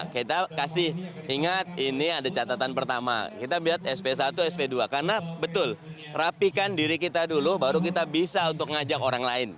kita kasih ingat ini ada catatan pertama kita lihat sp satu sp dua karena betul rapikan diri kita dulu baru kita bisa untuk ngajak orang lain